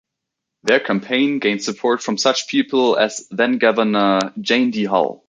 Their campaign gained support from such people as then-Governor Jane Dee Hull.